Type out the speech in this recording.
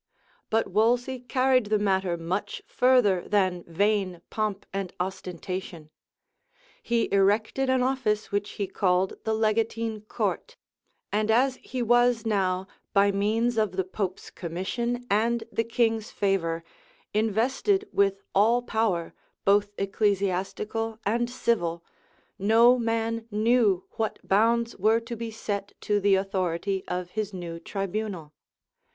But Wolsey carried the matter much further than vain pomp and ostentation. He erected an office which he called the legatine court; and as he was now, by means of the pope's commission and the king's favor, invested with all power, both ecclesiastical and civil, no man knew what bounds were to be set to the authority of his new tribunal.